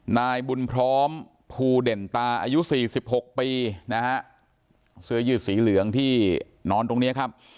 นายบุญพร้อมภูเด่นตาอายุสี่สิบหกปีนะฮะเสื้อยืดสีเหลืองที่นอนตรงนี้ครับ